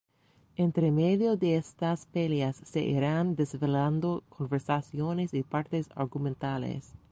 Entre medio de estas peleas se irán desvelando conversaciones y partes argumentales.